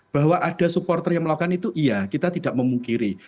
bahwa ada supporter yang melakukan itu iya kita tidak memungkiri